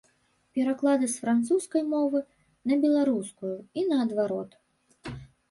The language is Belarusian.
Пераклады з французскай мовы на беларускую і наадварот.